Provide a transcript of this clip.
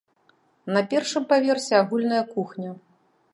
На першым паверсе агульная кухня.